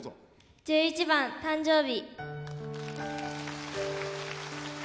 １１番「誕生日」。